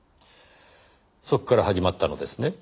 そこから始まったのですね？